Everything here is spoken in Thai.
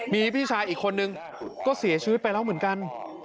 มีพี่ชายอีกคนนึงก็เสียชีวิตไปแล้วเหมือนกัน